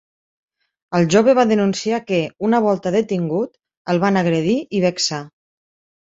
El jove va denunciar que, una volta detingut, el van agredir i vexar.